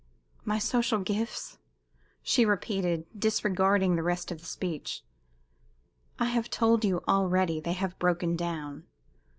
"My social gifts?" she repeated, disregarding the rest of his speech. "I have told you already they have broken down.